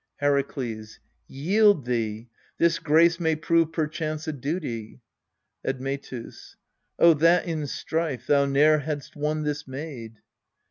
Herakles. Yield thou ! this grace may prove perchance a duty. Admetus. Oh, that in strife thou ne'er hadst won this maid